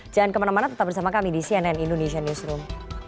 jangan kemana mana tetap bersama kami di cnn indonesian newsroom